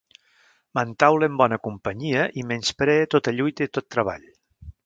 M’entaule en bona companyia, i menyspree tota lluita i tot treball.